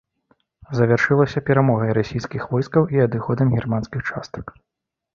Завяршылася перамогай расійскіх войскаў і адыходам германскіх частак.